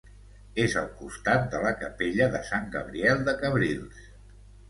És al costat de la capella de Sant Gabriel de Cabrils.